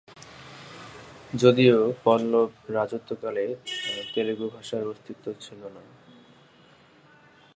যদিও পল্লব রাজত্বকালে তেলুগু ভাষার অস্তিত্ব ছিল না।